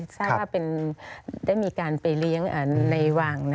ซ่าบ้าร์ได้มีการไปเลี้ยงในวัง